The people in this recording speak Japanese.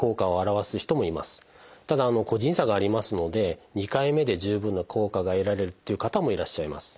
ただ個人差がありますので２回目で十分な効果が得られるっていう方もいらっしゃいます。